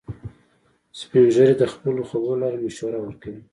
سپین ږیری د خپلو خبرو له لارې مشوره ورکوي